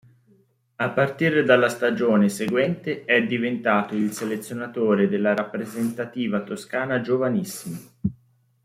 A partire dalla stagione seguente è diventato il selezionatore della Rappresentativa Toscana Giovanissimi.